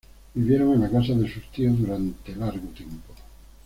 Vivieron en la casa de sus tíos durante largo tiempo.